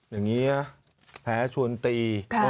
อย่างนี้นะแพ้ชวนตี